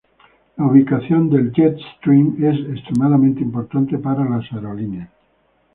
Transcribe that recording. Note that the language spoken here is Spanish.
La ubicación del "jet stream" es extremadamente importante para las aerolíneas.